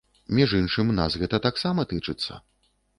Між іншым, нас гэта таксама тычыцца.